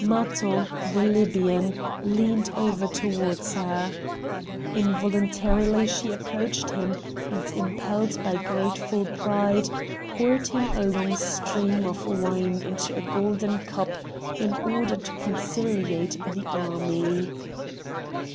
Matho, the Libyan, leaned over towards her. Involuntarily she approached him, and impelled by grateful pride, poured him a long stream of wine into a golden cup in order to conciliate the army.